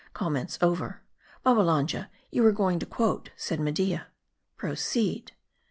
Comments over; " Babbalanja, you were going to quote," said Media. " Proceed."